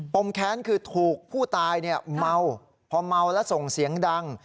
มแค้นคือถูกผู้ตายเมาพอเมาแล้วส่งเสียงดัง